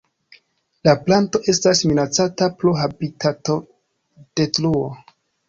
La planto estas minacata pro habitatodetruo.